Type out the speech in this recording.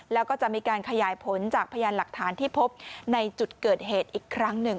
แล้วก็จะมีการขยายผลจากพยานหลักฐานที่พบในจุดเกิดเหตุอีกครั้งหนึ่ง